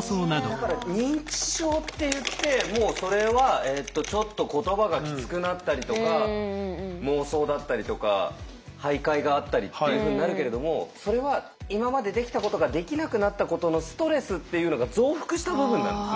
だから認知症っていってもうそれはちょっと言葉がきつくなったりとか妄想だったりとか徘徊があったりっていうふうになるけれどもそれは今までできたことができなくなったことのストレスっていうのが増幅した部分なんですね。